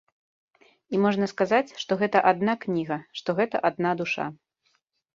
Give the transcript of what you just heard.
І можна сказаць, што гэта адна кніга, што гэта адна душа.